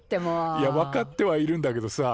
いや分かってはいるんだけどさ